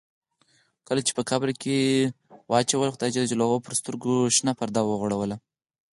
کله چې په قبر کې څملاست خدای جل جلاله پر سترګو شنه پرده وغوړوله.